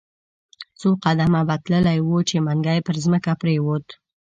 څو قدمه به تللی وو، چې منګی پر مځکه پریووت.